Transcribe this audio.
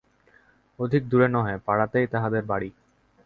অধিক দূরে নহে, পাড়াতেই তাহাদের বাড়ি।